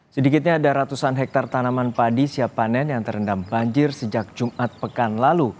sedikitnya ada ratusan hektare tanaman padi siap panen yang terendam banjir sejak jumat pekan lalu